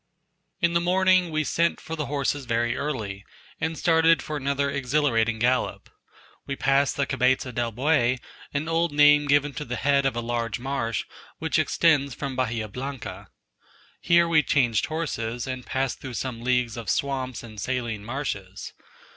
In the morning we sent for the horses very early, and started for another exhilarating gallop. We passed the Cabeza del Buey, an old name given to the head of a large marsh, which extends from Bahia Blanca. Here we changed horses, and passed through some leagues of swamps and saline marshes.